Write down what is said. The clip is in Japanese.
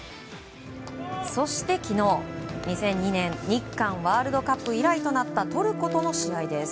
そして昨日、２００２年日韓ワールドカップ以来となったトルコとの試合です。